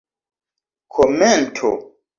komento